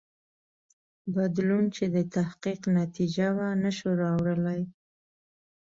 بدلون چې د تحقیق نتیجه وه نه شو راوړلای.